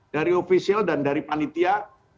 dari ofisial dan dari panitia